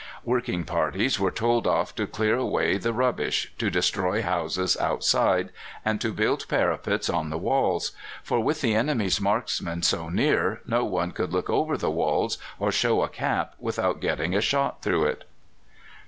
Working parties were told off to clear away the rubbish, to destroy houses outside, and to build parapets on the walls; for with the enemy's marksmen so near, no one could look over the walls or show a cap without getting a shot through it.